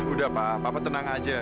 udah pak bapak tenang aja